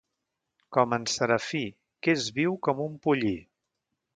Com en Serafí, que és viu com un pollí.